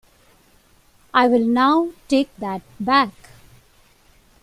I will now take that back.